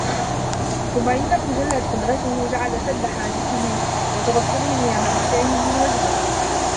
ثُمَّ إنَّهُ جَلَّتْ قُدْرَتُهُ جَعَلَ سَدَّ حَاجَتِهِمْ وَتَوَصُّلِهِمْ إلَى مَنَافِعِهِمْ مِنْ وَجْهَيْنِ